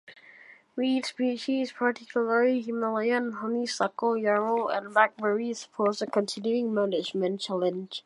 Weed species, particularly Himalayan honeysuckle, yarrow and blackberries, pose a continuing management challenge.